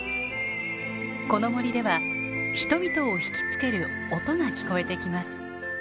この森では人々を引き付ける音が聞こえてきます。